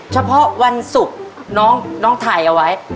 เฉพาะวันศุกร์น้องถ่ายเอาไว้